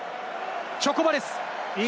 チョコバレス。